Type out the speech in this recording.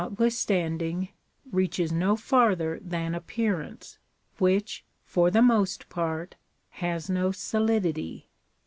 1S9 withstanding, reaches no farther than appearance, which, for the most part, has no solidity.